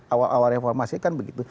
awal reformasi kan begitu